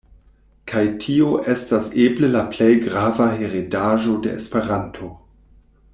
Kaj tio estas eble la plej grava heredaĵo de Esperanto.